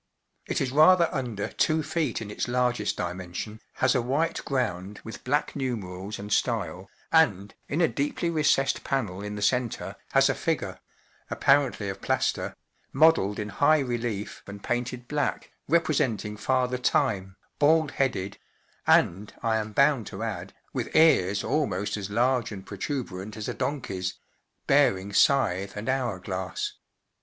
It is rather under two feet in its largest dimension, lias a white ground with black numerals and style, and, in a deeply recessed panel in the centre, has a figure (apparently of plaster) modelled in high relief and painted black, representing Father Time, bald headed (and, I am bound to add, with ears almost as large and protuberant Digitized by arrant 4. Googl r UNIVERSITY OF MICHIGAN as a donkey's), bearing scythe and hour glass.